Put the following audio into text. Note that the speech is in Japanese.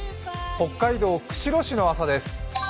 北海道釧路市の朝です。